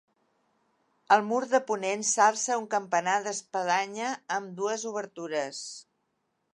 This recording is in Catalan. Al mur de ponent s'alça un campanar d'espadanya amb dues obertures.